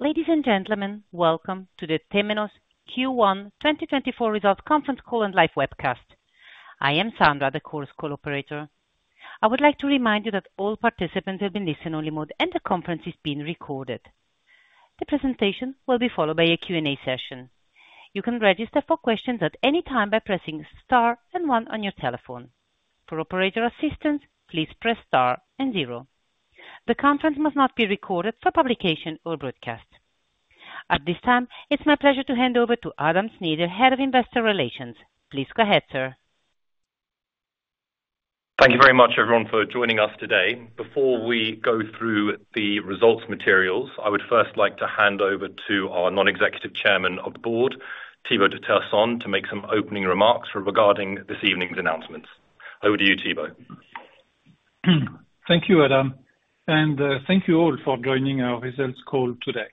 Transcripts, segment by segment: Ladies and gentlemen, welcome to the Temenos Q1 2024 Results Conference Call and Live Webcast. I am Sandra, the conference call operator. I would like to remind you that all participants have been placed in listen-only mode, and the conference is being recorded. The presentation will be followed by a Q&A session. You can register for questions at any time by pressing star and one on your telephone. For operator assistance, please press star and zero. The conference must not be recorded for publication or broadcast. At this time, it's my pleasure to hand over to Adam Snyder, the Head of Investor Relations. Please go ahead, sir. Thank you very much, everyone, for joining us today. Before we go through the results materials, I would first like to hand over to our non-executive chairman of the board, Thibault de Tersant, to make some opening remarks regarding this evening's announcements. Over to you, Thibault. Thank you, Adam, and thank you all for joining our results call today.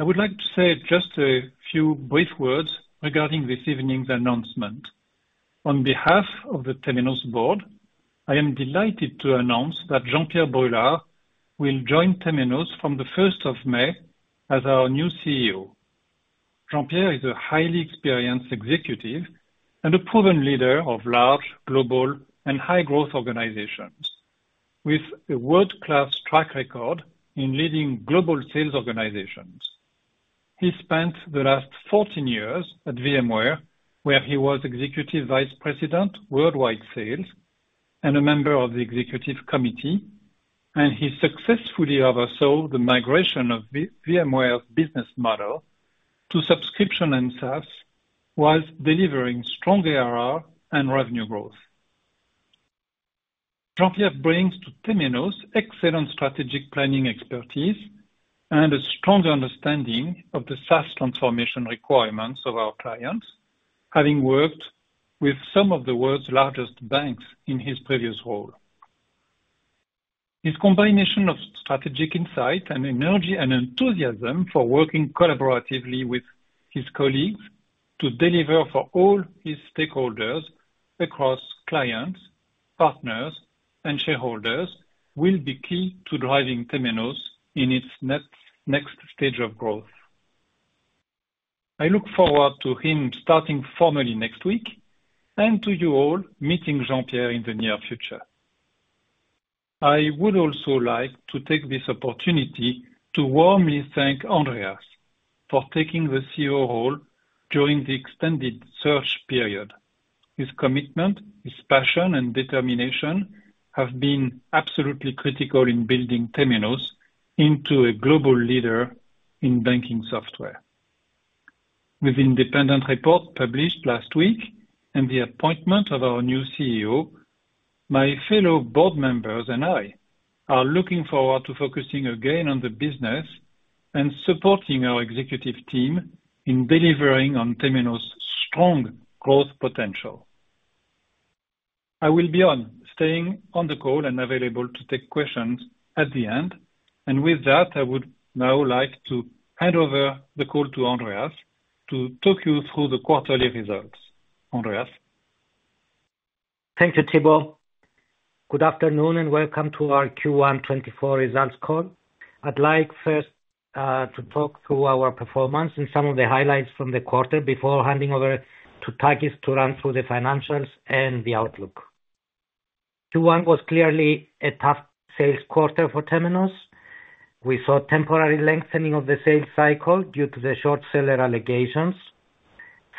I would like to say just a few brief words regarding this evening's announcement. On behalf of the Temenos board, I am delighted to announce that Jean-Pierre Brulard will join Temenos from the first of May as our new CEO. Jean-Pierre Brulard is a highly experienced executive and a proven leader of large, global, and high-growth organizations, with a world-class track record in leading global sales organizations. He spent the last 14 years at VMware, where he was Executive Vice President, Worldwide Sales, and a member of the executive committee, and he successfully oversaw the migration of VMware's business model to subscription and SaaS, while delivering strong ARR and revenue growth. Jean-Pierre brings to Temenos excellent strategic planning expertise and a strong understanding of the SaaS transformation requirements of our clients, having worked with some of the world's largest banks in his previous role. His combination of strategic insight and energy and enthusiasm for working collaboratively with his colleagues to deliver for all his stakeholders across clients, partners, and shareholders, will be key to driving Temenos in its next, next stage of growth. I look forward to him starting formally next week and to you all, meeting Jean-Pierre in the near future. I would also like to take this opportunity to warmly thank Andreas for taking the CEO role during the extended search period. His commitment, his passion, and determination have been absolutely critical in building Temenos into a global leader in banking software. With independent report published last week and the appointment of our new CEO, my fellow board members and I are looking forward to focusing again on the business and supporting our executive team in delivering on Temenos' strong growth potential. I will be on, staying on the call and available to take questions at the end. And with that, I would now like to hand over the call to Andreas to talk you through the quarterly results. Andreas? Thank you, Thibault. Good afternoon, and welcome to our Q1 2024 results call. I'd like first to talk through our performance and some of the highlights from the quarter before handing over to Takis to run through the financials and the outlook. Q1 was clearly a tough sales quarter for Temenos. We saw temporary lengthening of the sales cycle due to the short seller allegations.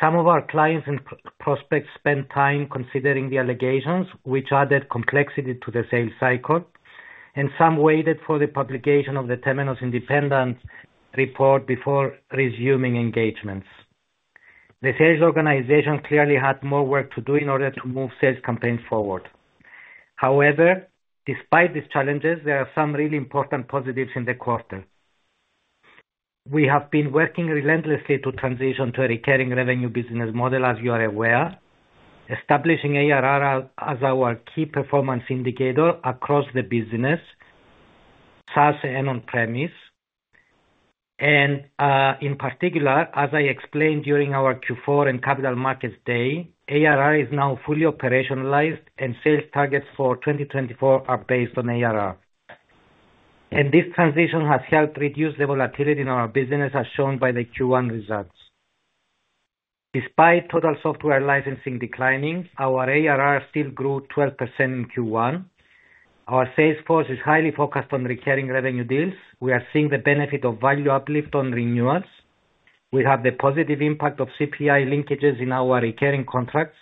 Some of our clients and prospects spent time considering the allegations, which added complexity to the sales cycle, and some waited for the publication of the Temenos independent report before resuming engagements. The sales organization clearly had more work to do in order to move sales campaigns forward. However, despite these challenges, there are some really important positives in the quarter. We have been working relentlessly to transition to a recurring revenue business model, as you are aware, establishing ARR as our key performance indicator across the business, SaaS and on-premise. And, in particular, as I explained during our Q4 and Capital Markets Day, ARR is now fully operationalized, and sales targets for 2024 are based on ARR. This transition has helped reduce the volatility in our business, as shown by the Q1 results. Despite total software licensing declining, our ARR still grew 12% in Q1. Our sales force is highly focused on recurring revenue deals. We are seeing the benefit of value uplift on renewals. We have the positive impact of CPI linkages in our recurring contracts,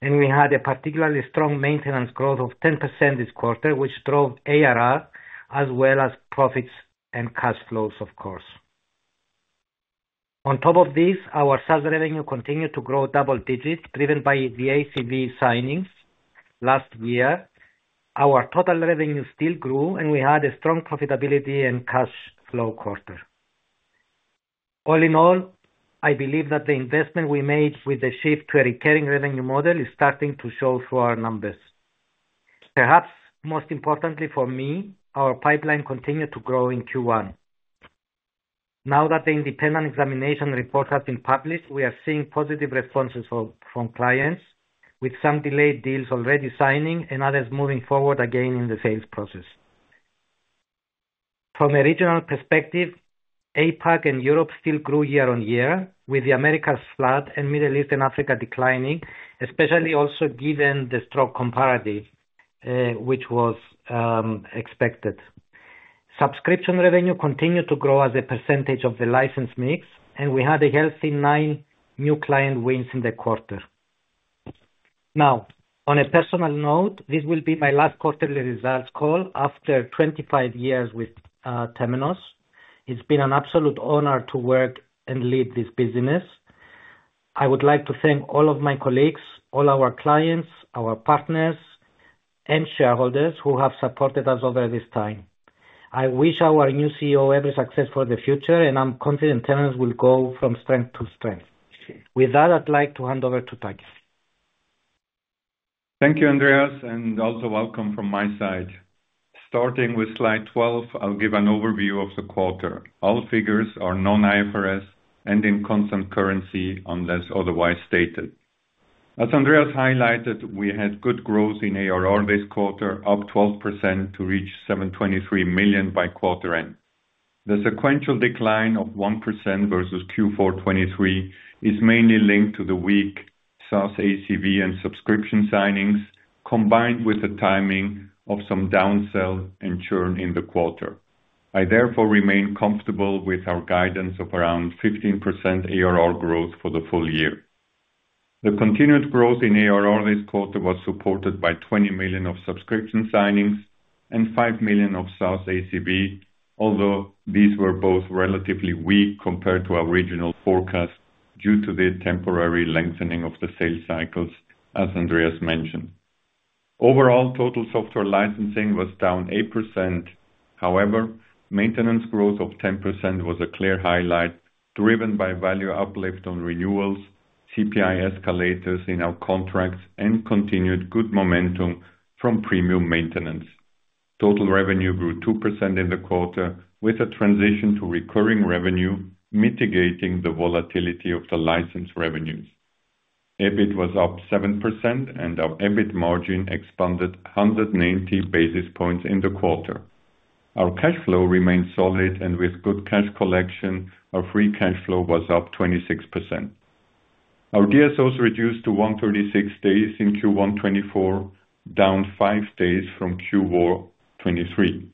and we had a particularly strong maintenance growth of 10% this quarter, which drove ARR as well as profits and cash flows, of course. On top of this, our SaaS revenue continued to grow double digits, driven by the ACV signings last year. Our total revenue still grew, and we had a strong profitability and cash flow quarter. All in all, I believe that the investment we made with the shift to a recurring revenue model is starting to show through our numbers. Perhaps most importantly for me, our pipeline continued to grow in Q1. Now that the independent examination report has been published, we are seeing positive responses from clients, with some delayed deals already signing and others moving forward again in the sales process. From a regional perspective, APAC and Europe still grew year-on-year, with the Americas flat and Middle East and Africa declining, especially also given the strong comparative, which was expected. Subscription revenue continued to grow as a percentage of the license mix, and we had a healthy nine new client wins in the quarter. Now, on a personal note, this will be my last quarterly results call after 25 years with Temenos. It's been an absolute honor to work and lead this business. I would like to thank all of my colleagues, all our clients, our partners, and shareholders who have supported us over this time. I wish our new CEO every success for the future, and I'm confident Temenos will go from strength to strength. With that, I'd like to hand over to Takis. Thank you, Andreas, and also welcome from my side. Starting with Slide 12, I'll give an overview of the quarter. All figures are Non-IFRS and in constant currency, unless otherwise stated. As Andreas highlighted, we had good growth in ARR this quarter, up 12% to reach $723 million by quarter end. The sequential decline of 1% versus Q4 2023 is mainly linked to the weak SaaS ACV and subscription signings, combined with the timing of some downsell and churn in the quarter. I therefore remain comfortable with our guidance of around 15% ARR growth for the full year. The continued growth in ARR this quarter was supported by $20 million of subscription signings and $5 million of SaaS ACV, although these were both relatively weak compared to our regional forecast due to the temporary lengthening of the sales cycles, as Andreas mentioned. Overall, total software licensing was down 8%. However, maintenance growth of 10% was a clear highlight, driven by value uplift on renewals, CPI escalators in our contracts, and continued good momentum from premium maintenance. Total revenue grew 2% in the quarter, with a transition to recurring revenue, mitigating the volatility of the license revenues. EBIT was up 7%, and our EBIT margin expanded 190 basis points in the quarter. Our cash flow remains solid, and with good cash collection, our free cash flow was up 26%. Our DSOs reduced to 136 days in Q1 2024, down five days from Q4 2023,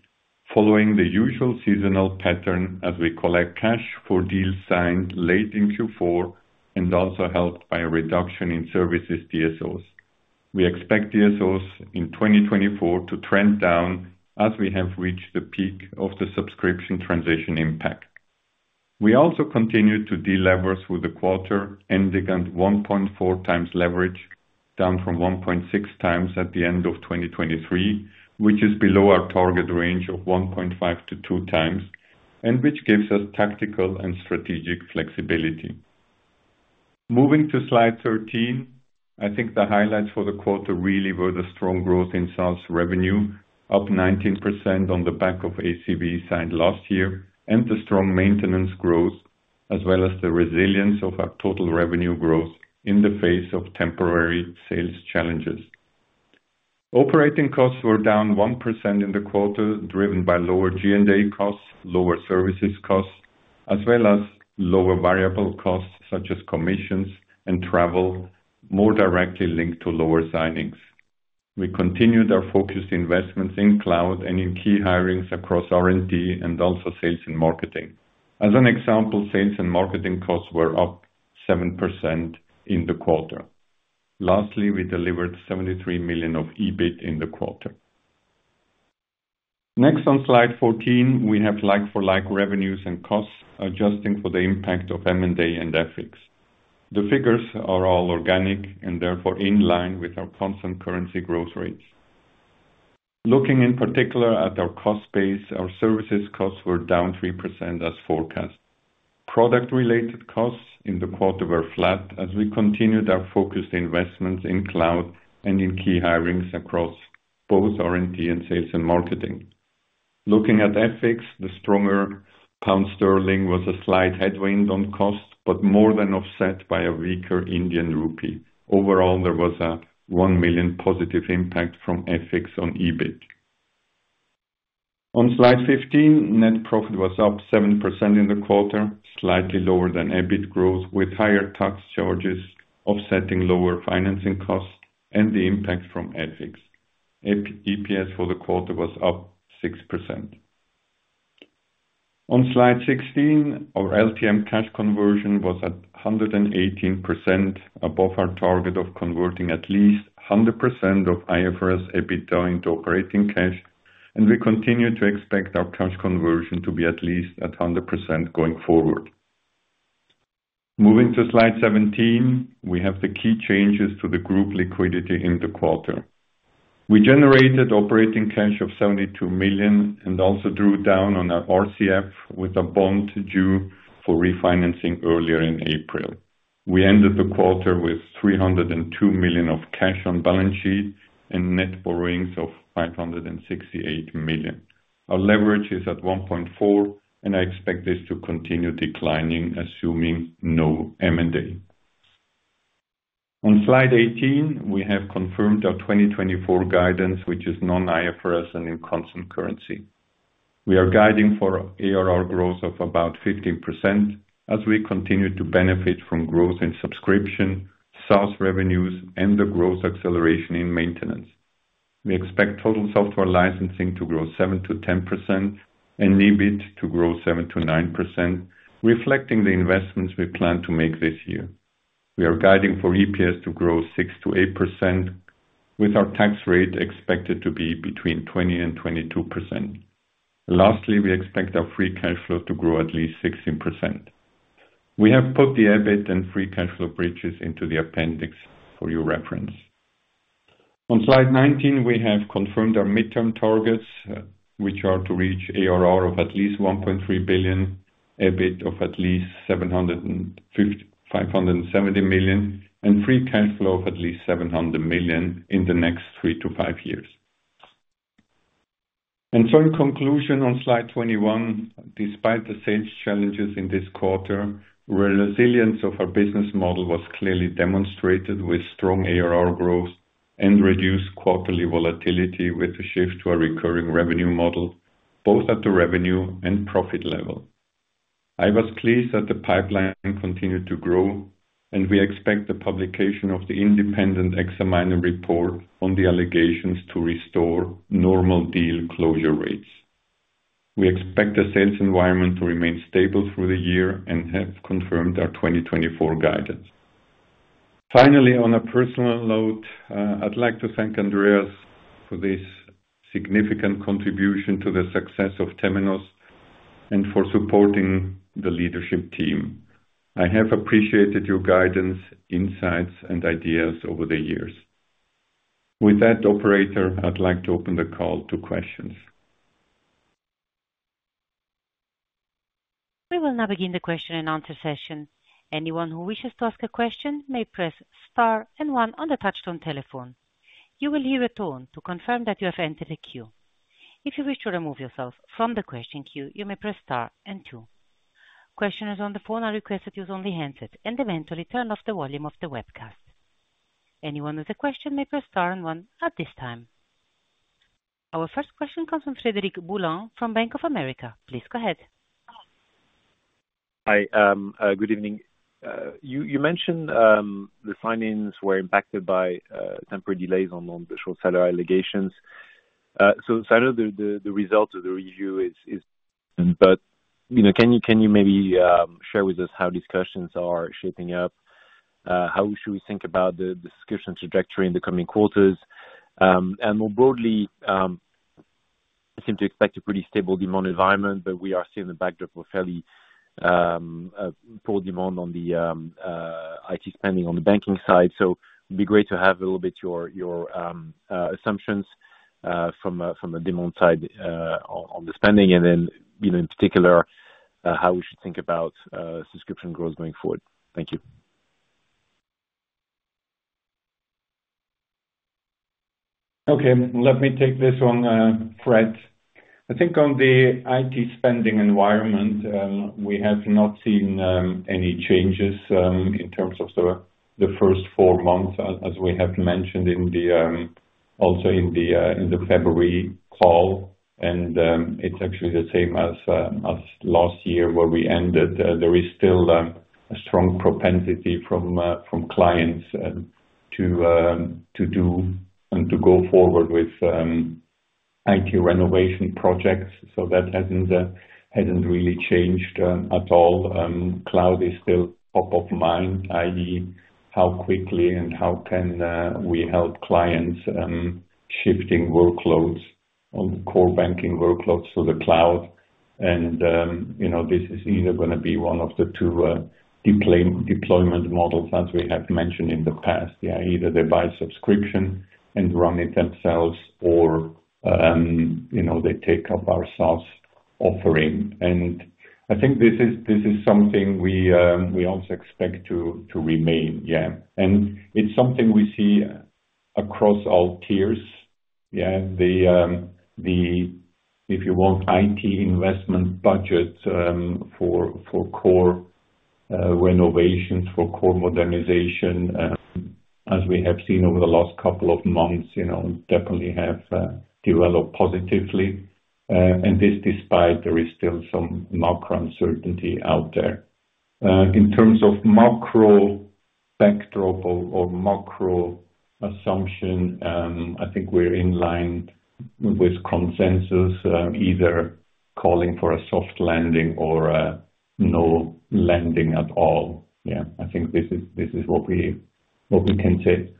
following the usual seasonal pattern as we collect cash for deals signed late in Q4, and also helped by a reduction in services DSOs. We expect DSOs in 2024 to trend down as we have reached the peak of the subscription transition impact. We also continued to delever through the quarter, ending at 1.4x leverage, down from 1.6x at the end of 2023, which is below our target range of 1.5x to 2x, and which gives us tactical and strategic flexibility. Moving to Slide 13, I think the highlights for the quarter really were the strong growth in SaaS revenue, up 19% on the back of ACV signed last year, and the strong maintenance growth, as well as the resilience of our total revenue growth in the face of temporary sales challenges. Operating costs were down 1% in the quarter, driven by lower G&A costs, lower services costs, as well as lower variable costs, such as commissions and travel, more directly linked to lower signings. We continued our focused investments in cloud and in key hirings across R&D and also sales and marketing. As an example, sales and marketing costs were up 7% in the quarter. Lastly, we delivered $73 million of EBIT in the quarter. Next, on Slide 14, we have like-for-like revenues and costs, adjusting for the impact of M&A and FX. The figures are all organic and therefore in line with our constant currency growth rates. Looking in particular at our cost base, our services costs were down 3% as forecast. Product-related costs in the quarter were flat as we continued our focused investments in cloud and in key hirings across both R&D and sales and marketing. Looking at FX, the stronger pound sterling was a slight headwind on cost, but more than offset by a weaker Indian rupee. Overall, there was a $1 million positive impact from FX on EBIT. On Slide 15, net profit was up 7% in the quarter, slightly lower than EBIT growth, with higher tax charges offsetting lower financing costs and the impact from FX. EPS for the quarter was up 6%. On Slide 16, our LTM cash conversion was at 118%, above our target of converting at least 100% of IFRS EBITDA into operating cash, and we continue to expect our cash conversion to be at least 100% going forward. Moving to Slide 17, we have the key changes to the group liquidity in the quarter. We generated operating cash of $72 million and also drew down on our RCF with a bond due for refinancing earlier in April. We ended the quarter with $302 million of cash on balance sheet and net borrowings of $568 million. Our leverage is at 1.4, and I expect this to continue declining, assuming no M&A. On Slide 18, we have confirmed our 2024 guidance, which is non-IFRS and in constant currency. We are guiding for ARR growth of about 15% as we continue to benefit from growth in subscription, SaaS revenues, and the growth acceleration in maintenance. We expect total software licensing to grow 7%-10% and EBIT to grow 7%-9%, reflecting the investments we plan to make this year. We are guiding for EPS to grow 6%-8%, with our tax rate expected to be between 20% and 22%. Lastly, we expect our free cash flow to grow at least 16%. We have put the EBIT and free cash flow bridges into the appendix for your reference. On Slide 19, we have confirmed our midterm targets, which are to reach ARR of at least $1.3 billion, EBIT of at least $570 million, and free cash flow of at least $700 million in the next three to five years. In conclusion, on Slide 21, despite the sales challenges in this quarter, the resilience of our business model was clearly demonstrated with strong ARR growth and reduced quarterly volatility, with the shift to a recurring revenue model, both at the revenue and profit level. I was pleased that the pipeline continued to grow, and we expect the publication of the independent examiner report on the allegations to restore normal deal closure rates. We expect the sales environment to remain stable through the year and have confirmed our 2024 guidance. Finally, on a personal note, I'd like to thank Andreas for this significant contribution to the success of Temenos and for supporting the leadership team. I have appreciated your guidance, insights, and ideas over the years. With that, operator, I'd like to open the call to questions. We will now begin the question-and-answer session. Anyone who wishes to ask a question may press star and one on the touchtone telephone. You will hear a tone to confirm that you have entered the queue. If you wish to remove yourself from the question queue, you may press star and two. Questioners on the phone are requested to use only handset and eventually turn off the volume of the webcast. Anyone with a question may press star and one at this time. Our first question comes from Frederic Boulan from Bank of America. Please go ahead. Hi, good evening. You mentioned the signings were impacted by temporary delays on the short seller allegations. So I know the results of the review is, but you know, can you maybe share with us how discussions are shaping up? How should we think about the discussion trajectory in the coming quarters? And more broadly, you seem to expect a pretty stable demand environment, but we are seeing the backdrop of fairly poor demand on the IT spending on the banking side. So it'd be great to have a little bit your assumptions from a demand side on the spending and then, you know, in particular, how we should think about subscription growth going forward. Thank you. Okay, let me take this one, Fred. I think on the IT spending environment, we have not seen any changes in terms of the first four months, as we have mentioned also in the February call. And, it's actually the same as last year where we ended. There is still a strong propensity from clients to do and to go forward with IT renovation projects. So that hasn't really changed at all. Cloud is still top of mind, i.e., how quickly and how can we help clients shifting workloads on core banking workloads to the cloud. And, you know, this is either going to be one of the two deployment models, as we have mentioned in the past. Yeah, either they buy subscription and run it themselves, or, you know, they take up our SaaS offering. And I think this is, this is something we, we also expect to, to remain. Yeah. And it's something we see across all tiers. Yeah, the, If you want IT investment budgets, for, for core renovations, for core modernization, as we have seen over the last couple of months, you know, definitely have developed positively. And this, despite there is still some macro uncertainty out there. In terms of macro backdrop or, or macro assumption, I think we're in line with consensus, either calling for a soft landing or, no landing at all. Yeah, I think this is, this is what we, what we can say.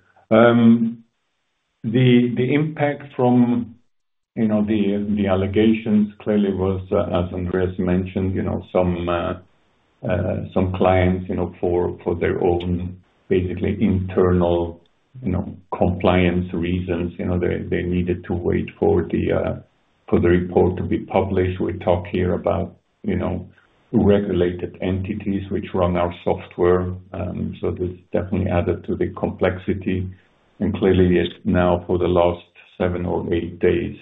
The impact from, you know, the allegations clearly was, as Andreas mentioned, you know, some clients, you know, for their own basically internal, you know, compliance reasons, you know, they needed to wait for the report to be published. We talk here about, you know, regulated entities which run our software. So this definitely added to the complexity, and clearly is now for the last seven or eight days.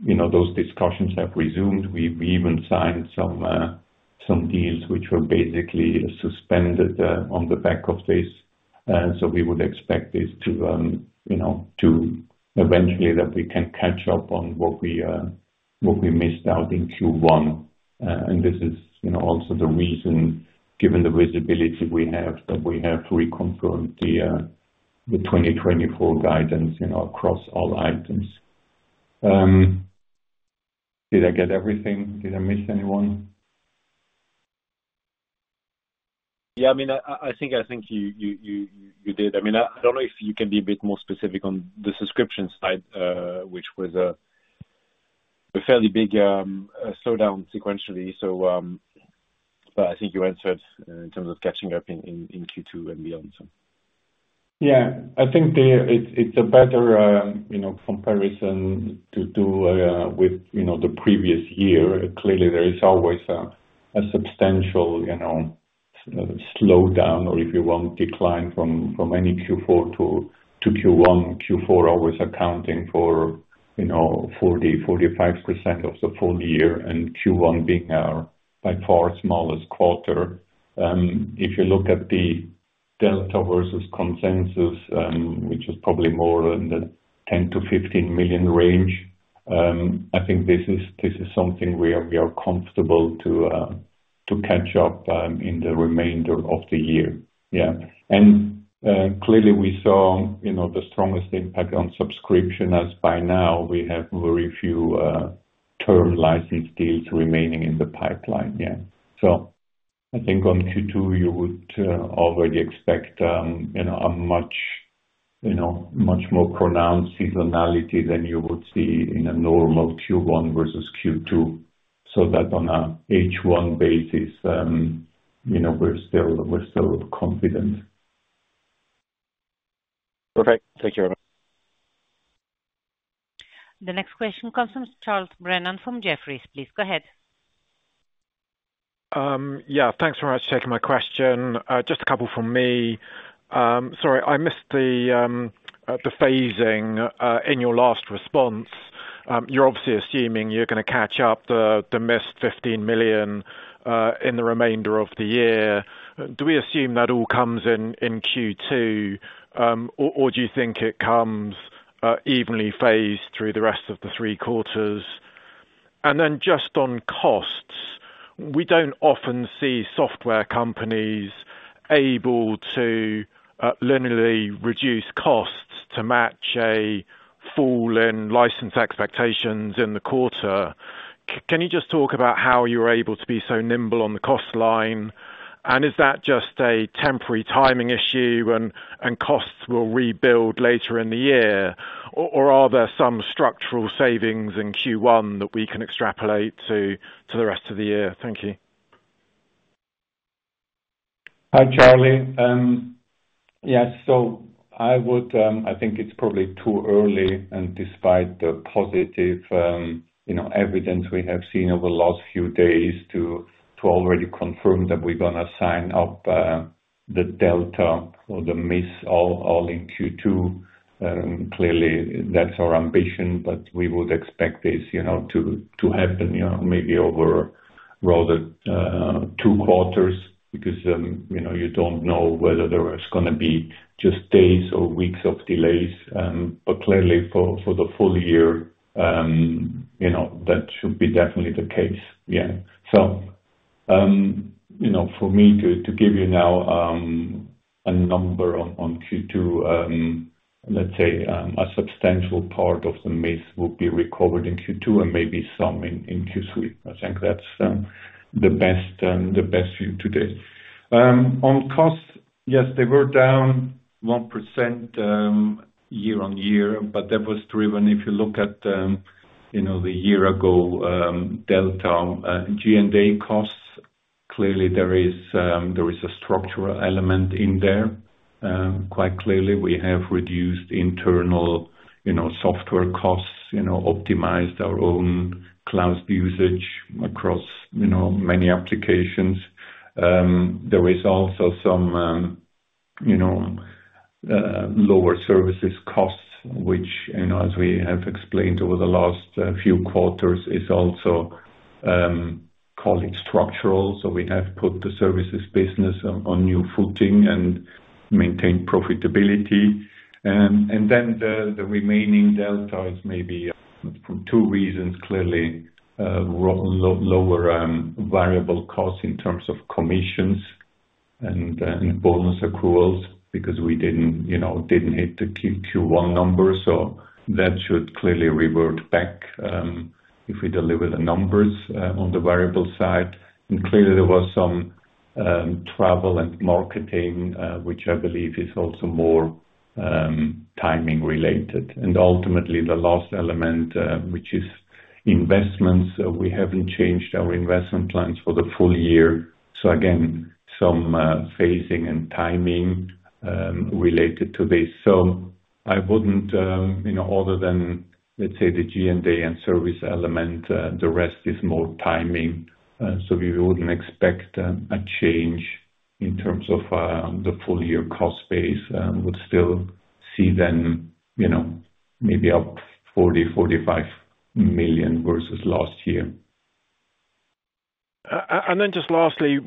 You know, those discussions have resumed. We even signed some deals which were basically suspended on the back of this. So we would expect this to, you know, to eventually that we can catch up on what we missed out in Q1. This is, you know, also the reason, given the visibility we have, that we have reconfirmed the 2024 guidance, you know, across all items. Did I get everything? Did I miss anyone? Yeah, I mean, I think you did. I mean, I don't know if you can be a bit more specific on the subscription side, which was a fairly big slowdown sequentially, so, but I think you answered in terms of catching up in Q2 and beyond, so. Yeah. I think it's a better, you know, comparison to do with, you know, the previous year. Clearly, there is always a substantial, you know, slowdown, or, if you will, decline from any Q4 to Q1. Q4 always accounting for, you know, 40%-45% of the full year, and Q1 being our by far smallest quarter. If you look at the delta versus consensus, which is probably more in the $10 million-$15 million range, I think this is something where we are comfortable to catch up in the remainder of the year. Yeah. And clearly, we saw, you know, the strongest impact on subscription, as by now we have very few term license deals remaining in the pipeline. Yeah. So I think on Q2, you would already expect, you know, a much, you know, much more pronounced seasonality than you would see in a normal Q1 versus Q2, so that on a H1 basis, you know, we're still, we're still confident. Perfect. Thank you very much. The next question comes from Charles Brennan from Jefferies. Please go ahead. Yeah, thanks very much for taking my question. Just a couple from me. Sorry, I missed the phasing in your last response. You're obviously assuming you're gonna catch up the missed $15 million in the remainder of the year. Do we assume that all comes in in Q2? Or do you think it comes evenly phased through the rest of the three quarters? And then just on costs, we don't often see software companies able to linearly reduce costs to match a fall in license expectations in the quarter. Can you just talk about how you're able to be so nimble on the cost line? Is that just a temporary timing issue, and costs will rebuild later in the year, or are there some structural savings in Q1 that we can extrapolate to the rest of the year? Thank you. Hi, Charlie. Yes, so I would, I think it's probably too early, and despite the positive, you know, evidence we have seen over the last few days to already confirm that we're gonna sign up the delta or the miss all, all in Q2. Clearly, that's our ambition, but we would expect this, you know, to happen, you know, maybe over rather two quarters, because, you know, you don't know whether there is gonna be just days or weeks of delays. But clearly for the full year, you know, that should be definitely the case. Yeah. So, you know, for me to give you now a number on Q2, let's say a substantial part of the miss will be recovered in Q2 and maybe some in Q3. I think that's, the best, the best view today. On cost, yes, they were down 1%, year-on-year, but that was driven, if you look at, you know, the year ago, delta, G&A costs. Clearly, there is, there is a structural element in there. Quite clearly, we have reduced internal, you know, software costs, you know, optimized our own cloud usage across, you know, many applications. There is also some, you know, lower services costs, which, you know, as we have explained over the last, few quarters, is also, calling it structural. So we have put the services business on, on new footing and maintained profitability. And then the remaining delta is maybe for two reasons, clearly, lower variable costs in terms of commissions and bonus accruals, because we didn't, you know, didn't hit the Q1 numbers, so that should clearly revert back, if we deliver the numbers, on the variable side. And clearly, there was some travel and marketing, which I believe is also more timing related. And ultimately, the last element, which is investments, we haven't changed our investment plans for the full year. So again, some phasing and timing related to this. So I wouldn't, you know, other than, let's say, the G&A and service element, the rest is more timing. We wouldn't expect a change in terms of the full-year cost base, and would still see them, you know, maybe up $40 million-$45 million versus last year. And then just lastly,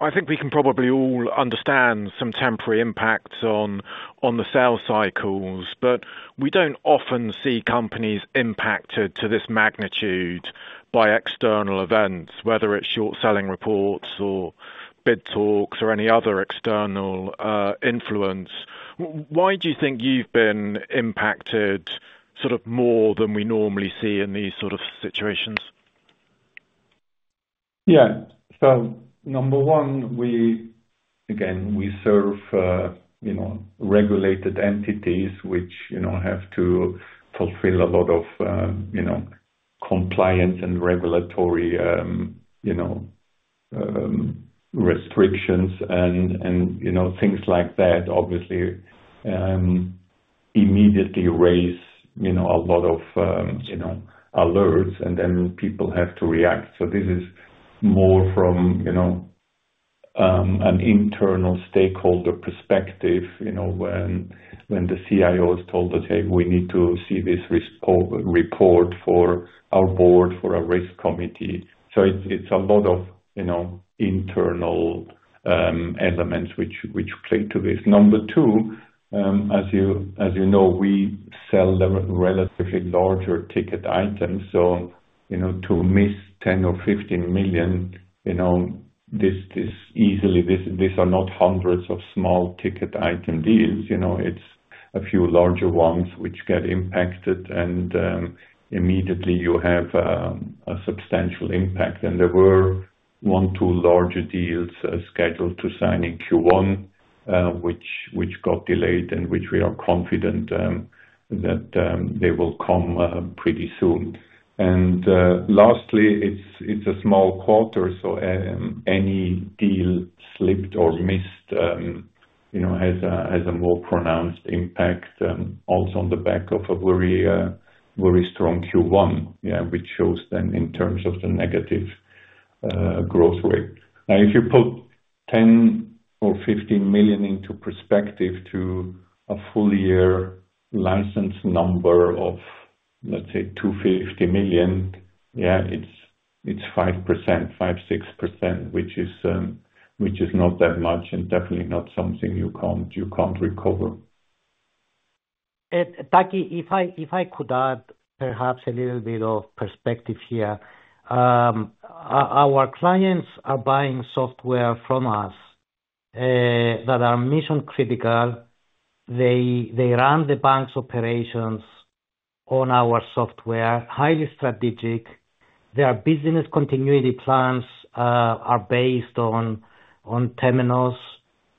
I think we can probably all understand some temporary impacts on the sales cycles, but we don't often see companies impacted to this magnitude by external events, whether it's short selling reports or bid talks or any other external influence. Why do you think you've been impacted sort of more than we normally see in these sort of situations? Yeah. So number one, we again, we serve, you know, regulated entities, which, you know, have to fulfill a lot of, you know, compliance and regulatory, you know, restrictions and, and, you know, things like that obviously, immediately raise, you know, a lot of, you know, alerts, and then people have to react. So this is more from, you know, an internal stakeholder perspective, you know, when, when the CIOs told us, "hey, we need to see this risk report for our board, for our risk committee." So it's, it's a lot of, you know, internal, elements which, which play to this. Number two, as you, as you know, we sell the relatively larger ticket items, so, you know, to miss $10 million or $15 million, you know, this, this easily, these, these are not hundreds of small ticket item deals. You know, it's a few larger ones which get impacted, and immediately you have a substantial impact. There were one or two larger deals scheduled to sign in Q1, which got delayed, and which we are confident that they will come pretty soon. Lastly, it's a small quarter, so any deal slipped or missed, you know, has a more pronounced impact, also on the back of a very, very strong Q1. Yeah, which shows then in terms of the negative growth rate. Now, if you put $10 million-$15 million into perspective to a full year license number of, let's say, $250 million, yeah, it's 5%, 5%-6%, which is not that much, and definitely not something you can't recover. Taki, if I could add perhaps a little bit of perspective here. Our clients are buying software from us that are mission critical. They run the bank's operations on our software, highly strategic. Their business continuity plans are based on Temenos.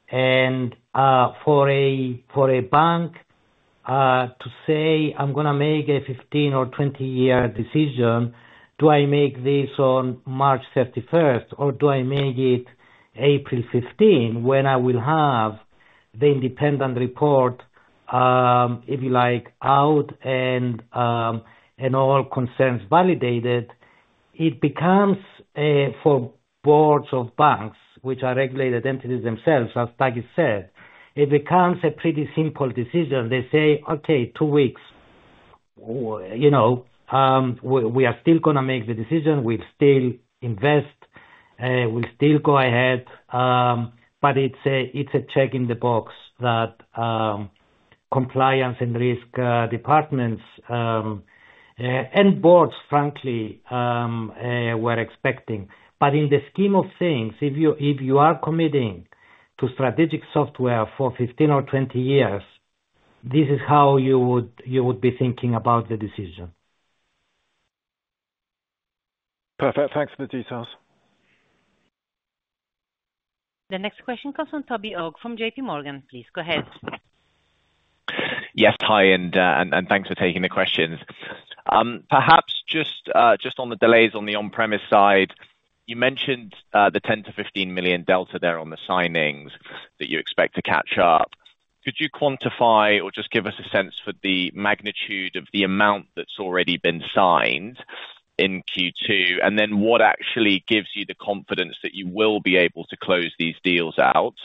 And for a bank to say, "I'm gonna make a 15 or 20 year decision, do I make this on March 31st, or do I make it April 15, when I will have the independent report, if you like, out and all concerns validated?" It becomes for boards of banks, which are regulated entities themselves, as Taki said, a pretty simple decision. They say, "okay, two weeks." You know, "We are still gonna make the decision. We'll still invest, we'll still go ahead." But it's a check in the box that compliance and risk departments and boards, frankly, were expecting. But in the scheme of things, if you, if you are committing to strategic software for 15 or 20 years, this is how you would, you would be thinking about the decision. Perfect. Thanks for the details. The next question comes from Toby Ogg from JPMorgan. Please go ahead. Yes, hi, and thanks for taking the questions. Perhaps just on the delays on the on-premise side, you mentioned the $10 million-$15 million delta there on the signings that you expect to catch up. Could you quantify or just give us a sense for the magnitude of the amount that's already been signed in Q2, and then what actually gives you the confidence that you will be able to close these deals out?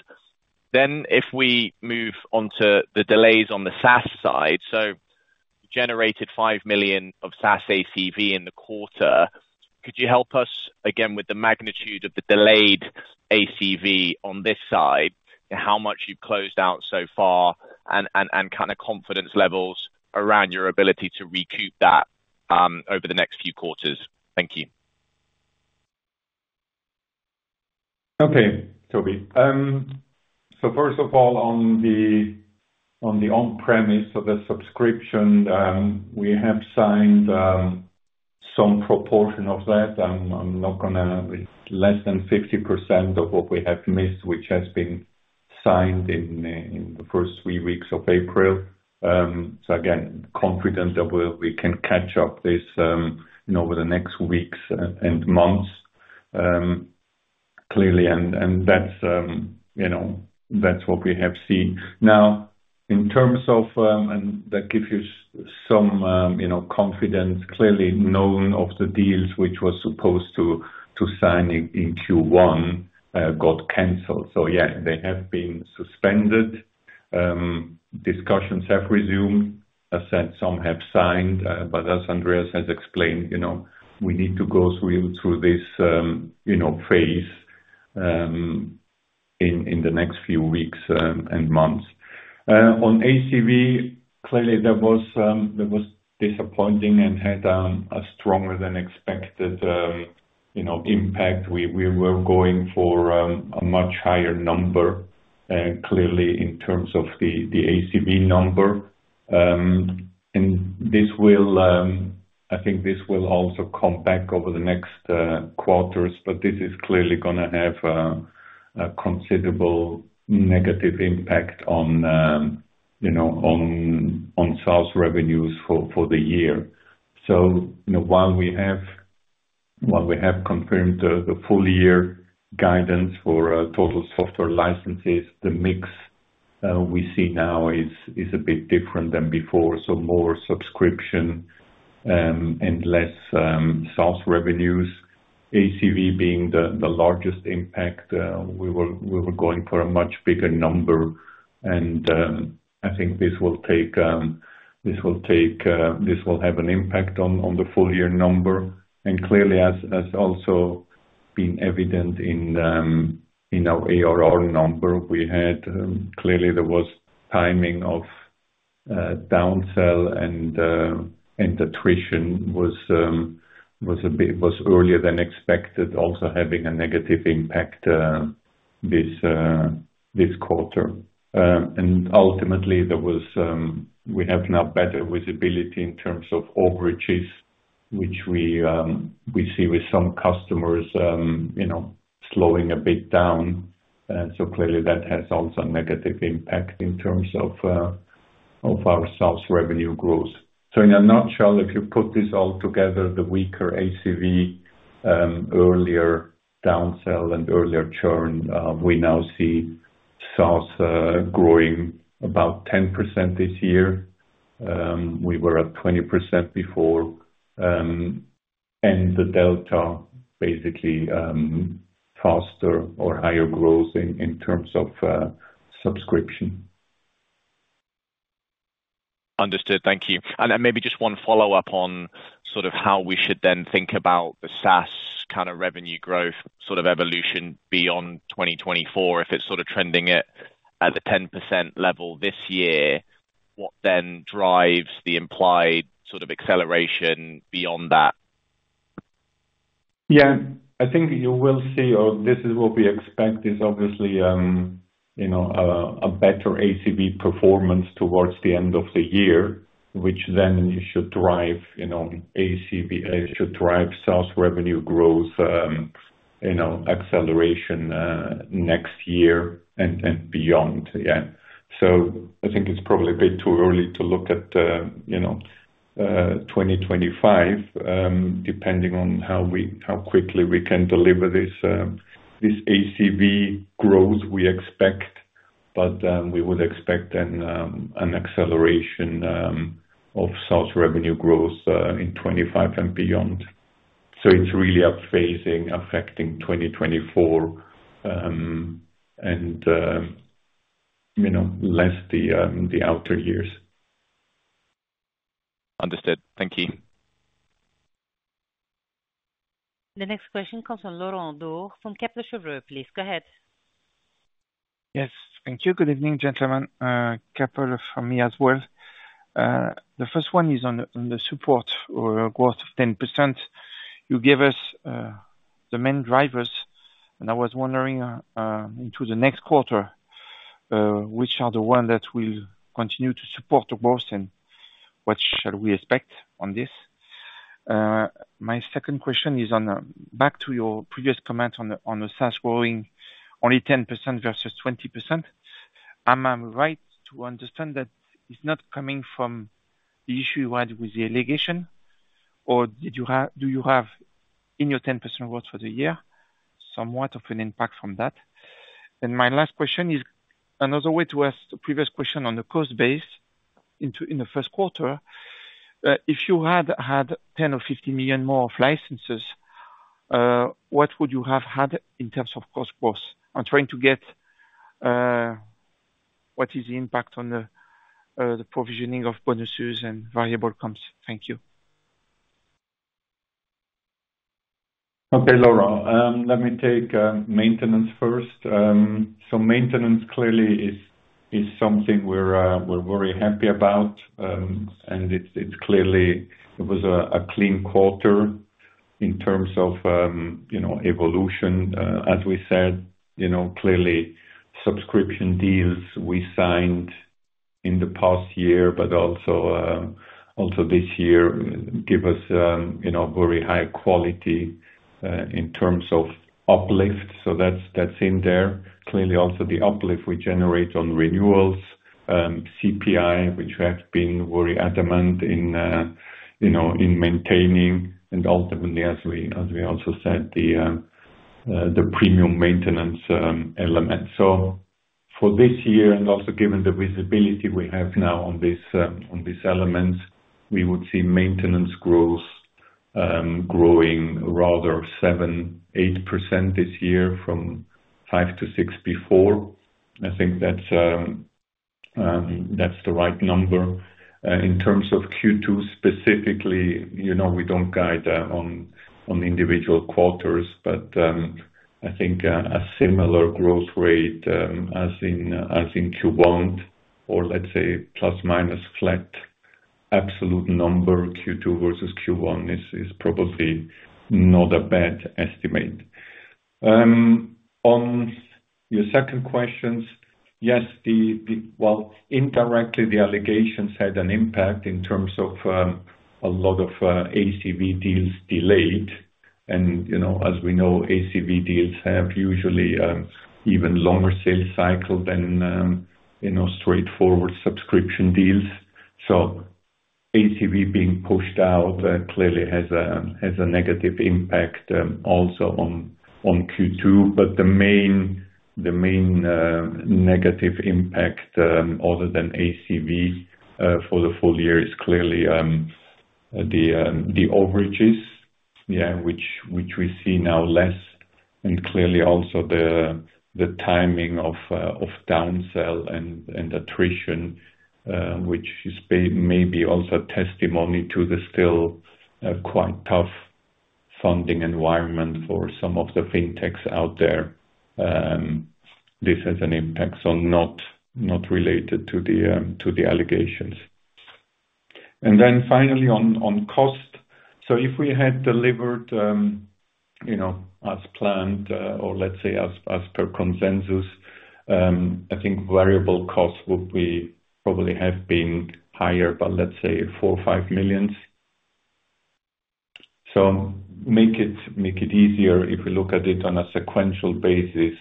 Then if we move on to the delays on the SaaS side, so you generated $5 million of SaaS ACV in the quarter. Could you help us again with the magnitude of the delayed ACV on this side, and how much you've closed out so far, and kind of confidence levels around your ability to recoup that over the next few quarters? Thank you. Okay, Toby. So first of all, on the, on the on-premise, so the subscription, we have signed some proportion of that. I'm not gonna. It's less than 50% of what we have missed, which has been signed in the first three weeks of April. So again, confident that we can catch up this, you know, over the next weeks and months, clearly, and that's, you know, that's what we have seen. Now, in terms of, and that give you some, you know, confidence, clearly, none of the deals which was supposed to sign in Q1 got canceled. So yeah, they have been suspended. Discussions have resumed. I said some have signed, but as Andreas has explained, you know, we need to go through this phase in the next few weeks and months. On ACV, clearly, there was disappointing and had a stronger than expected, you know, impact. We were going for a much higher number, clearly in terms of the ACV number. And this will, I think this will also come back over the next quarters, but this is clearly gonna have a considerable negative impact on, you know, on SaaS revenues for the year. So, you know, while we have confirmed the full year guidance for total software licenses, the mix we see now is a bit different than before. So more subscription and less SaaS revenues. ACV being the largest impact, we were going for a much bigger number, and I think this will have an impact on the full year number. And clearly, as also been evident in our ARR number, we had clearly there was timing of downsell and attrition was a bit earlier than expected, also having a negative impact this quarter. And ultimately, we have now better visibility in terms of overages, which we see with some customers, you know, slowing a bit down. So clearly, that has also a negative impact in terms of of our SaaS revenue growth. So in a nutshell, if you put this all together, the weaker ACV, earlier downsell and earlier churn, we now see SaaS, growing about 10% this year. We were at 20% before, and the delta, basically, faster or higher growth in terms of, subscription. Understood. Thank you. And maybe just one follow-up on sort of how we should then think about the SaaS kind of revenue growth, sort of evolution beyond 2024, if it's sort of trending it at the 10% level this year, what then drives the implied sort of acceleration beyond that? Yeah. I think you will see, or this is what we expect, is obviously, you know, a better ACV performance towards the end of the year, which then should drive, you know, ACV- should drive SaaS revenue growth, you know, acceleration, next year and, and beyond. Yeah. So I think it's probably a bit too early to look at, you know, 2025, depending on how we, how quickly we can deliver this, this ACV growth we expect, but, we would expect an, an acceleration, of SaaS revenue growth, in 2025 and beyond. So it's really up phasing, affecting 2024, and, you know, less the, the outer years. Understood. Thank you. The next question comes from Laurent Daure from Kepler Cheuvreux. Please, go ahead. Yes, thank you. Good evening, gentlemen, Kepler from me as well. The first one is on the support or growth of 10%. You gave us the main drivers, and I was wondering into the next quarter, which are the ones that will continue to support the growth, and what shall we expect on this? My second question is on back to your previous comment on the SaaS growing only 10% versus 20%. Am I right to understand that it's not coming from the issue you had with the litigation, or did you have, do you have, in your 10% growth for the year, somewhat of an impact from that? My last question is, another way to ask the previous question on the cost base into in the first quarter, if you had had $10 million or $50 million more of licenses, what would you have had in terms of cost growth? I'm trying to get, what is the impact on the provisioning of bonuses and variable costs. Thank you. Okay, Laurent, let me take maintenance first. So maintenance clearly is something we're very happy about, and it's clearly. It was a clean quarter in terms of you know evolution as we said you know clearly subscription deals we signed in the past year but also this year give us you know very high quality in terms of uplift. So that's in there. Clearly, also, the uplift we generate on renewals CPI which we have been very adamant in you know in maintaining, and ultimately, as we also said, the premium maintenance element. So for this year, and also given the visibility we have now on this, on these elements, we would see maintenance growth, growing rather 7%-8% this year from 5%-6% before. I think that's, that's the right number. In terms of Q2 specifically, you know, we don't guide on, on individual quarters, but, I think, a similar growth rate, as in, as in Q1, or let's say, plus or minus flat, absolute number Q2 versus Q1 is, is probably not a bad estimate. On your second questions, yes, the, the, well, indirectly, the allegations had an impact in terms of, a lot of, ACV deals delayed. And, you know, as we know, ACV deals have usually, even longer sales cycle than, you know, straightforward subscription deals. So ACV being pushed out clearly has a negative impact also on Q2. But the main negative impact other than ACV for the full year is clearly the overages, yeah, which we see now less, and clearly also the timing of downsell and attrition, which is maybe also testimony to the still quite tough funding environment for some of the fintechs out there. This has an impact, so not related to the allegations. And then finally, on costs. So if we had delivered, you know, as planned or let's say as per consensus, I think variable costs would be probably have been higher, but let's say $4 million-$5 million. So make it easier. If we look at it on a sequential basis,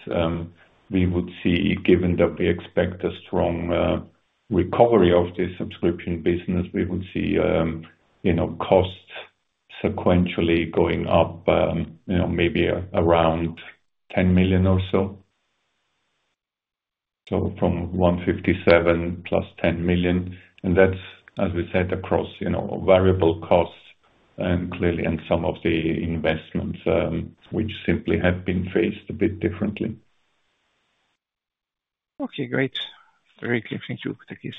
we would see, given that we expect a strong recovery of the subscription business, we would see, you know, costs sequentially going up, you know, maybe around $10 million or so. So from $157 million plus $10 million, and that's, as we said, across, you know, variable costs and clearly in some of the investments, which simply have been phased a bit differently. Okay, great. Very clear. Thank you. Takis.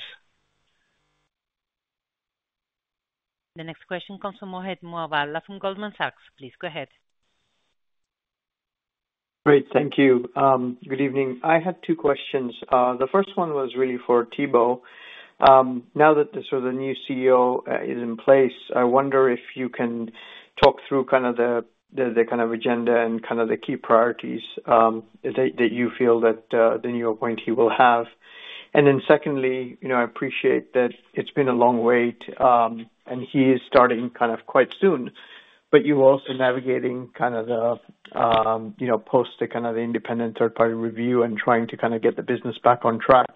The next question comes from Mohammed Moawalla from Goldman Sachs. Please go ahead. Great. Thank you. Good evening. I have two questions. The first one was really for Thibault. Now that the sort of the new CEO is in place, I wonder if you can talk through kind of the kind of agenda and kind of the key priorities that you feel that the new appointee will have. And then secondly, you know, I appreciate that it's been a long wait, and he is starting kind of quite soon. But you're also navigating kind of the, you know, post the kind of the independent third-party review and trying to kind of get the business back on track.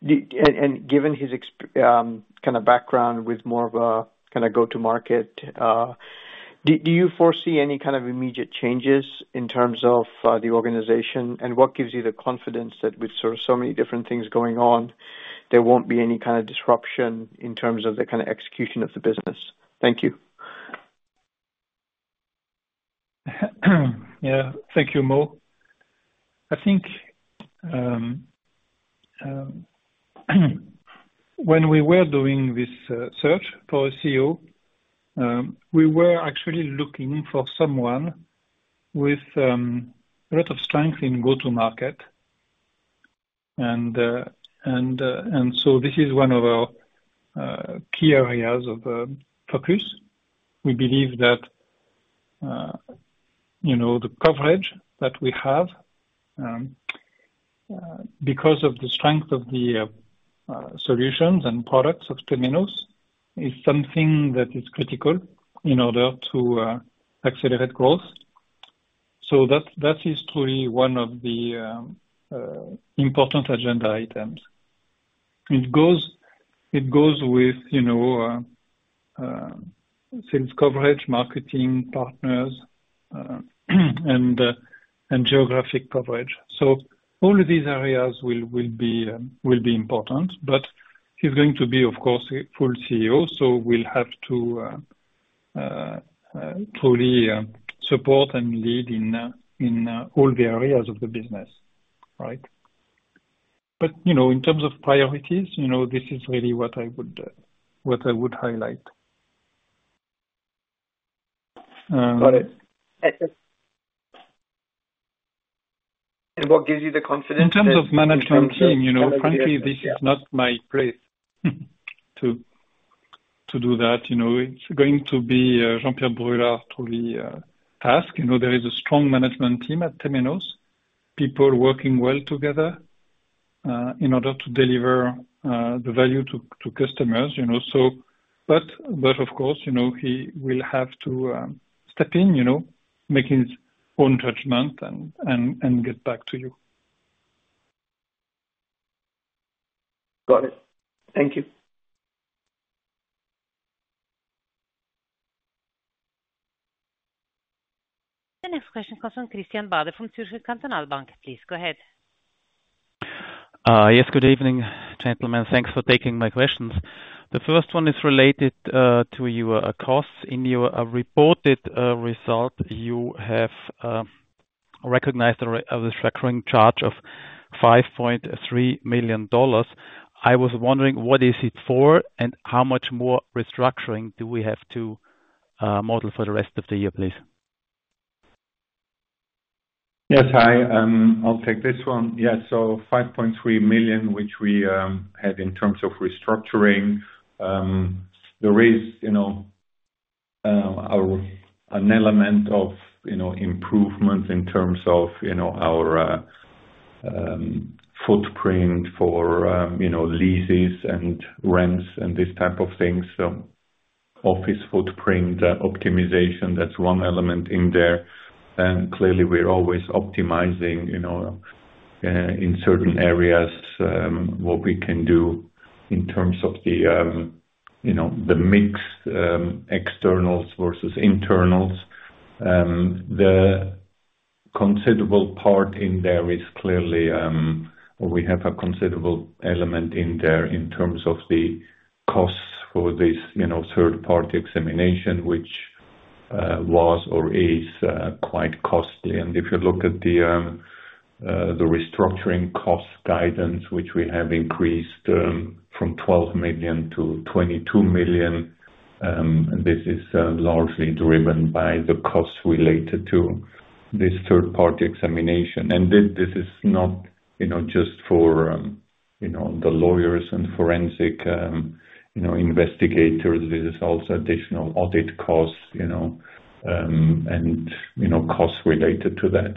And given his kind of background with more of a kind of go-to market, do you foresee any kind of immediate changes in terms of the organization? What gives you the confidence that with sort of so many different things going on, there won't be any kind of disruption in terms of the kind of execution of the business? Thank you. Yeah. Thank you, Mo. I think, when we were doing this search for a CEO, we were actually looking for someone with a lot of strength in go-to market, and so this is one of our key areas of focus. We believe that, you know, the coverage that we have because of the strength of the solutions and products of Temenos, is something that is critical in order to accelerate growth. So that is truly one of the important agenda items. It goes with, you know, sales coverage, marketing partners, and geographic coverage. So all of these areas will be important. But he's going to be, of course, a full CEO, so we'll have to fully support and lead in all the areas of the business, right? But, you know, in terms of priorities, you know, this is really what I would highlight. Got it. And what gives you the confidence that. In terms of management team, you know, frankly, this is not my place to do that, you know, it's going to be Jean-Pierre Brulard to the task. You know, there is a strong management team at Temenos, people working well together in order to deliver the value to customers, you know, so, but, but of course, you know, he will have to step in, you know, making his own judgment and get back to you. Got it. Thank you. The next question comes from Christian Bader, from Zurcher Kantonalbank. Please, go ahead. Yes, good evening, gentlemen. Thanks for taking my questions. The first one is related to your costs. In your reported result, you have recognized a restructuring charge of $5.3 million. I was wondering, what is it for, and how much more restructuring do we have to model for the rest of the year, please? Yes, hi. I'll take this one. Yeah, so $5.3 million, which we had in terms of restructuring, there is, you know, an element of, you know, improvement in terms of, you know, our footprint for, you know, leases and rents and this type of things. So office footprint optimization, that's one element in there. And clearly, we're always optimizing, you know, in certain areas, what we can do in terms of the, you know, the mix, externals versus internals. The considerable part in there is clearly, we have a considerable element in there in terms of the costs for this, you know, third-party examination, which was or is quite costly. And if you look at the restructuring cost guidance, which we have increased from $12 million to $22 million, this is largely driven by the costs related to this third-party examination. And this is not, you know, just for the lawyers and forensic investigators, this is also additional audit costs, you know, and costs related to that.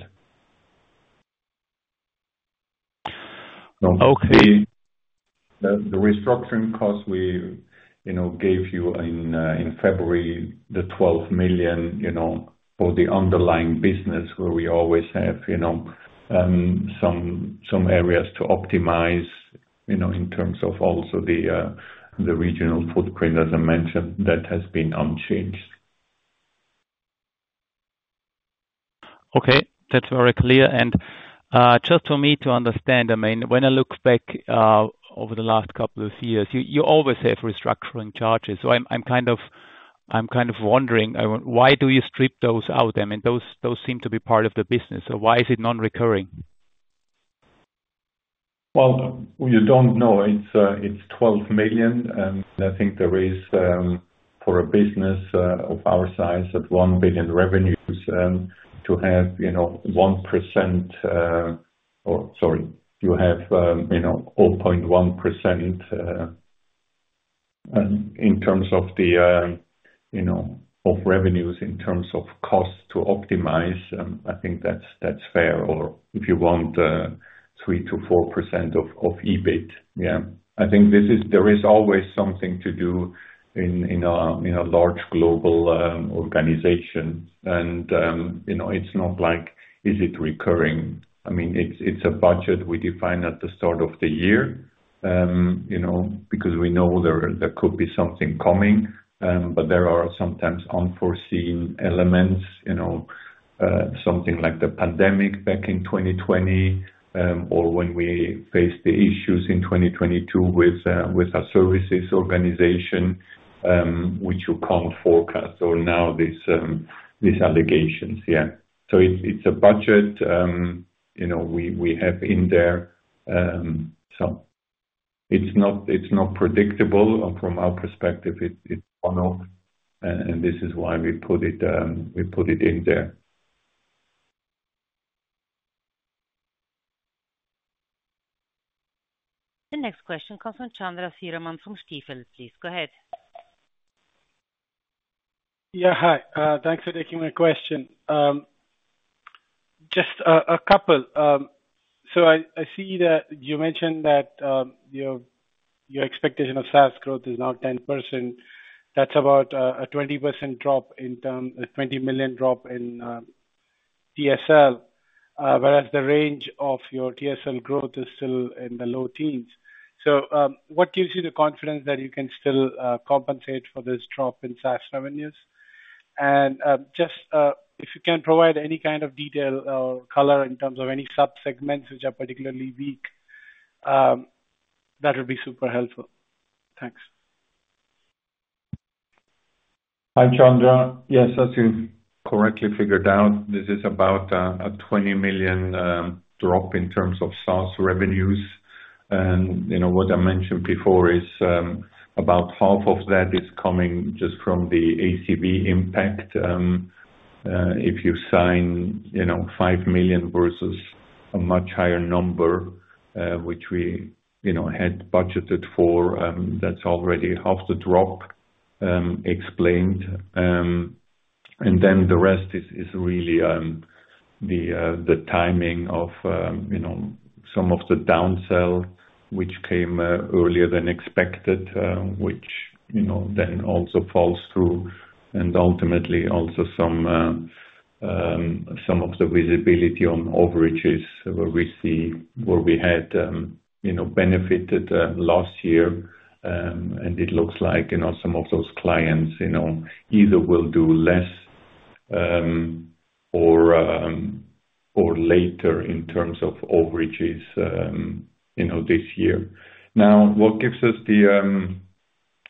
Okay. The restructuring cost we, you know, gave you in February, the $12 million, you know, for the underlying business where we always have, you know, some areas to optimize, you know, in terms of also the regional footprint, as I mentioned, that has been unchanged. Okay, that's very clear. And just for me to understand, I mean, when I look back over the last couple of years, you always have restructuring charges. So I'm kind of wondering why do you strip those out? I mean, those seem to be part of the business, so why is it non-recurring? Well, you don't know. It's $12 million, and I think there is for a business of our size, at $1 billion revenues, to have, you know, 1%, or sorry, you have, you know, 0.1% in terms of the, you know, of revenues, in terms of costs to optimize. I think that's fair, or if you want 3%-4% of EBIT. Yeah. I think this is. There is always something to do in a large global organization. And you know, it's not like, is it recurring? I mean, it's a budget we define at the start of the year, you know, because we know there could be something coming, but there are sometimes unforeseen elements, you know, something like the pandemic back in 2020, or when we faced the issues in 2022 with our services organization, which you can't forecast, or now these allegations. Yeah. So it's a budget, you know, we have in there, so it's not predictable, or from our perspective, it's one-off, and this is why we put it in there. The next question comes from Chandra Sriraman from Stifel. Please, go ahead. Yeah, hi. Thanks for taking my question. Just a couple, so I see that you mentioned that your expectation of SaaS growth is now 10%. That's about a 20% drop, a $20 million drop in TSL, whereas the range of your TSL growth is still in the low teens. So, what gives you the confidence that you can still compensate for this drop in SaaS revenues? And just if you can provide any kind of detail or color in terms of any sub-segments which are particularly weak, that would be super helpful. Thanks. Hi, Chandra. Yes, as you correctly figured out, this is about a $20 million drop in terms of SaaS revenues. And, you know, what I mentioned before is about half of that is coming just from the ACV impact. If you sign, you know, $5 million versus a much higher number, which we, you know, had budgeted for, that's already half the drop explained. And then the rest is really the timing of, you know, some of the downsell which came earlier than expected, which, you know, then also falls through, and ultimately also some of the visibility on overages where we see where we had, you know, benefited last year. And it looks like, you know, some of those clients, you know, either will do less, or, or later in terms of overages, you know, this year. Now, what gives us the,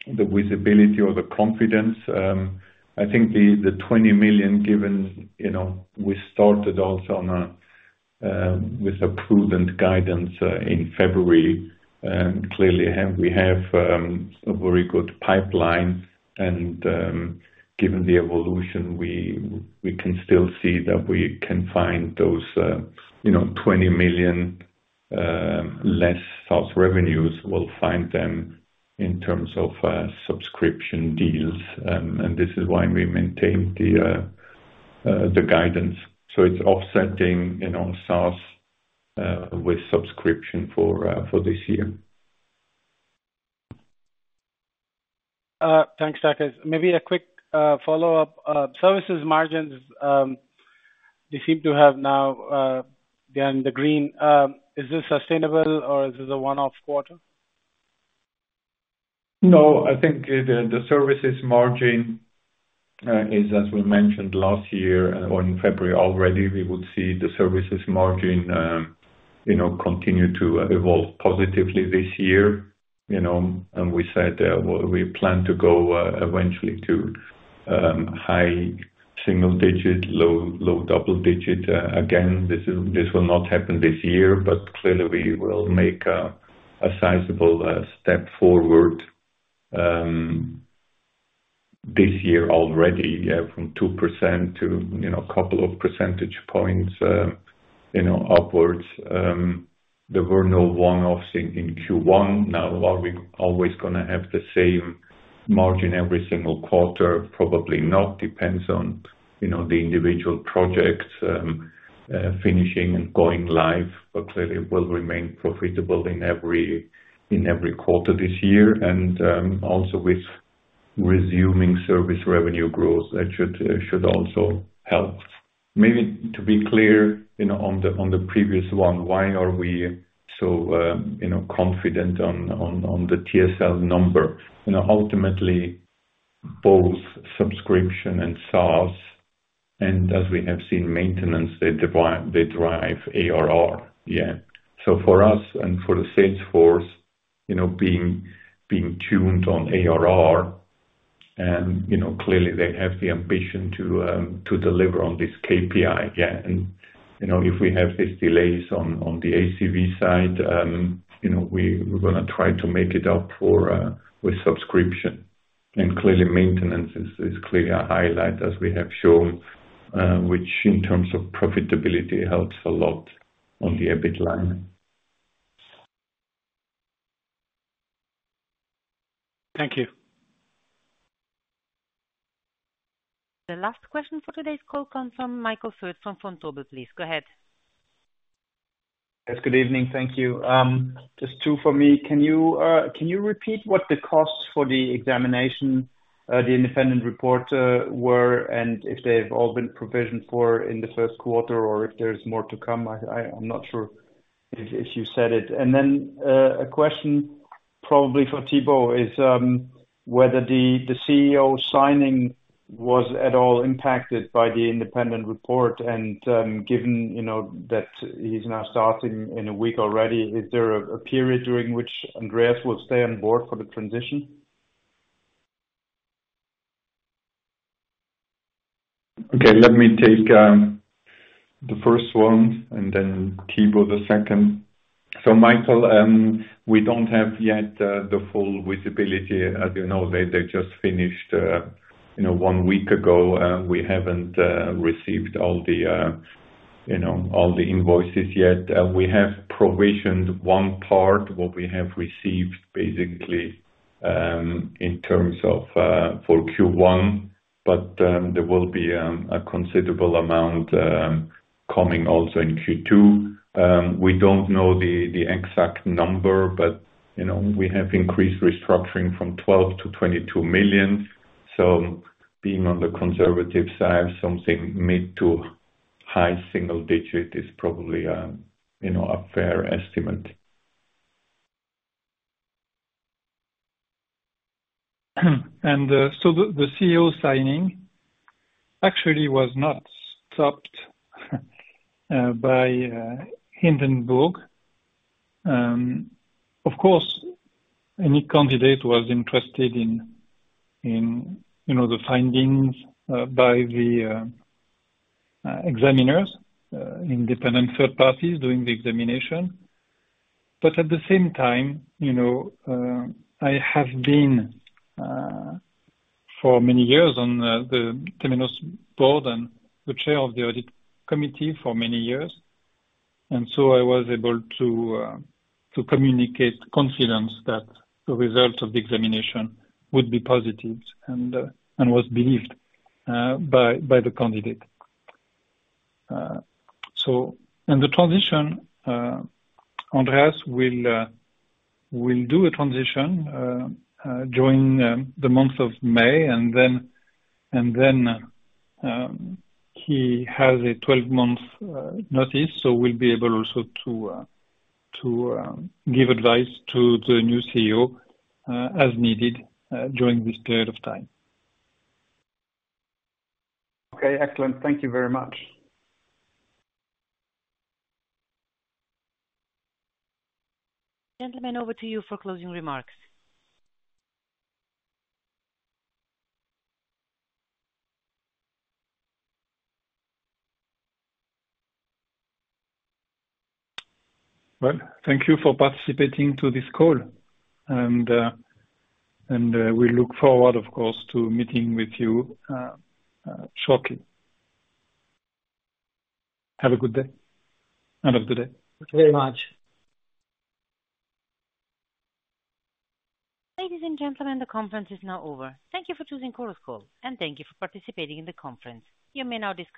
the visibility or the confidence? I think the twenty million given, you know, we started also on a, with a prudent guidance, in February, and clearly have we, a very good pipeline and, given the evolution, we can still see that we can find those, you know, $20 million, less SaaS revenues. We'll find them in terms of, subscription deals, and this is why we maintain the, the guidance. So it's offsetting, you know, SaaS, with subscription for, for this year. Thanks, Takis. Maybe a quick follow-up. Services margins, you seem to have now, again, the green. Is this sustainable or is this a one-off quarter? No, I think the services margin is, as we mentioned last year or in February already, we would see the services margin, you know, continue to evolve positively this year, you know, and we said, we plan to go, eventually to, high single digit, low double digit. Again, this will not happen this year, but clearly we will make a sizable step forward, this year already, yeah, from 2% to, you know, couple of percentage points, you know, upwards. There were no one-offs in Q1. Now, are we always gonna have the same margin every single quarter? Probably not, depends on, you know, the individual projects, finishing and going live, but clearly will remain profitable in every quarter this year. Also with resuming service revenue growth, that should also help. Maybe to be clear, you know, on the previous one, why are we so, you know, confident on the TSL number? You know, ultimately, both subscription and SaaS, and as we have seen, maintenance, they drive ARR. Yeah. So for us and for the sales force, you know, being tuned on ARR, and, you know, clearly they have the ambition to deliver on this KPI again. You know, if we have these delays on the ACV side, you know, we, we're gonna try to make it up with subscription. And clearly, maintenance is clearly a highlight, as we have shown, which in terms of profitability, helps a lot on the EBIT line. Thank you. The last question for today's call comes from Michael Foeth, from Vontobel, please. Go ahead. Yes, good evening. Thank you. Just two for me. Can you can you repeat what the costs for the examination the independent report were, and if they've all been provisioned for in the first quarter, or if there's more to come? I'm not sure if you said it. And then a question probably for Thibault, is whether the CEO signing was at all impacted by the independent report and given, you know, that he's now starting in a week already, is there a period during which Andreas will stay on board for the transition? Okay, let me take the first one and then Thibault the second. So, Michael, we don't have yet the full visibility. As you know, they just finished, you know, one week ago, we haven't received all the, you know, all the invoices yet. We have provisioned one part, what we have received, basically, in terms of for Q1, but there will be a considerable amount coming also in Q2. We don't know the exact number, but, you know, we have increased restructuring from $12 million to $22 million. So being on the conservative side, something mid to high single digit is probably, you know, a fair estimate. So the CEO signing actually was not stopped by Hindenburg. Of course, any candidate was interested in, you know, the findings by the examiners, independent third parties doing the examination. But at the same time, you know, I have been for many years on the Temenos board and the chair of the audit committee for many years, and so I was able to to communicate confidence that the result of the examination would be positive and was believed by the candidate. So, in the transition, Andreas will do a transition during the month of May, and then he has a 12-month notice, so we'll be able also to give advice to the new CEO as needed during this period of time. Okay, excellent. Thank you very much. Gentlemen, over to you for closing remarks. Well, thank you for participating to this call, and we look forward, of course, to meeting with you, shortly. Have a good day. Have a good day. Thank you very much. Ladies and gentlemen, the conference is now over. Thank you for choosing Chorus Call, and thank you for participating in the conference. You may now disconnect.